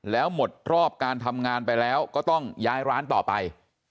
แล้วหมดรอบการทำงานไปแล้วก็ต้องย้ายร้านต่อไป